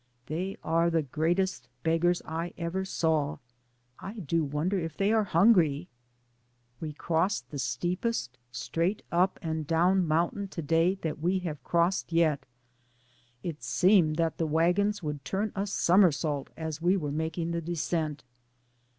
They are the greatest beggars. I ever saw. I do won der if they are hungry ? We crossed the steepest, straight up and down mountain to day that we have crossed 236 DAYS ON THE ROAD. yet. It seemed that the wagons would turn a somersault as we were making the descent.